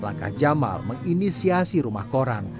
langkah jamal menginisiasi rumah koran